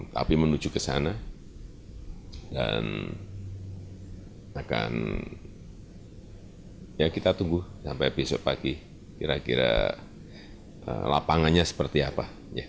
tapi menuju ke sana dan akan ya kita tunggu sampai besok pagi kira kira lapangannya seperti apa